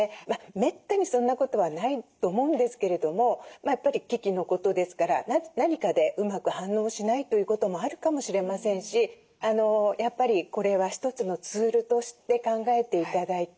めったにそんなことはないと思うんですけれどもやっぱり機器のことですから何かでうまく反応しないということもあるかもしれませんしやっぱりこれは一つのツールとして考えて頂いて。